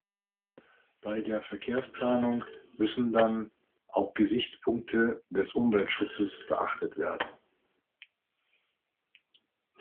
Bei der Verkehrsplanung müssen dann auch Gesichtspunkte des Umweltschutzes beachtet werden.